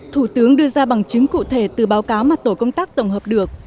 thủ tướng đưa ra bằng chứng cụ thể từ báo cáo mà tổ công tác tổng hợp được